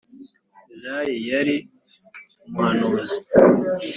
Izayi yari umuhanuzi